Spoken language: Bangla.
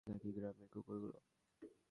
নাকি গ্রামের কুকুরগুলো?